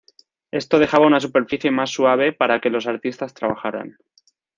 Esto dejaba una superficie más suave para que los artistas trabajaran.